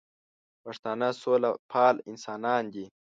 پښتانه سوله پال انسانان دي